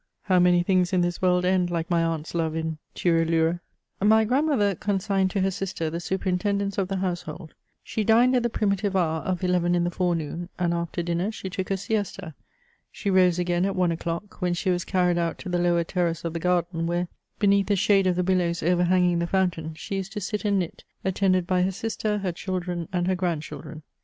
How many things in this world end, like my aunt's love, in ture hire I My grandmother consigned to her sister the superintendence of the household. She dined at the primitive hour of eleven in the forenoon, and after dinner she took a siesta. She rose again at one o'clock, when she was carried out to the lower terrace of the garden, where, beneath the shade of the willows overhanging the fountain, she used to sit and knit^ attended by her idster, her children, and her grandchildren.